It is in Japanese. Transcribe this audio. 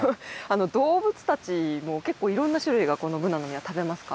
動物たちも結構いろんな種類がこのブナの実は食べますか？